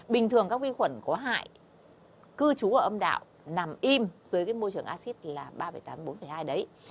bình thường các vi khuẩn có hại cư trú ở âm đạo nằm im dưới cái môi trường acid là ba tám mươi bốn hai đấy